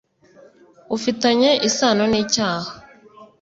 ufitanye isano n icyaha